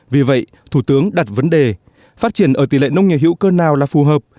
vì vậy thủ tướng đặt vấn đề phát triển ở tỷ lệ nông nghiệp hữu cơ nào là phù hợp